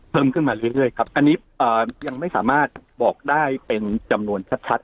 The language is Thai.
เพิ่มขึ้นมาเรื่อยครับอันนี้ยังไม่สามารถบอกได้เป็นจำนวนชัด